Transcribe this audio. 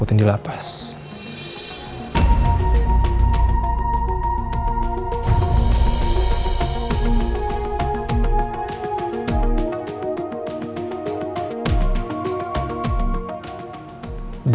untuk menyerang anda